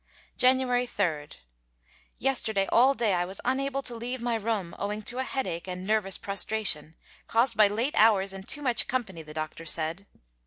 January 3. Yesterday all day I was unable to leave my room, owing to a headache and nervous prostration, caused by late hours and too much company, the doctor said.